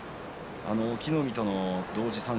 隠岐の海との同時三賞